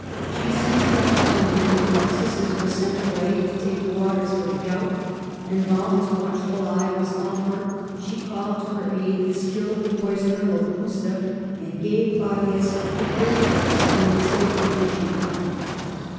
She seized the opportunity when Narcissus was sent ,.,... r t she had away awhile to take the waters for the gout ; ciaudiut and while his watchful eye was off her, she voysoned, called to her aid the skill of the poisoner Locusta, and gave Claudius the fatal dose in the savoury dish he loved.